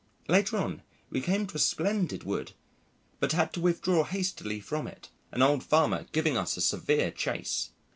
Later on, we came to a splendid wood, but had to withdraw hastily from it, an old farmer giving us a severe chase.